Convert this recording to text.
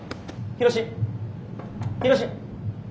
ヒロシ？」。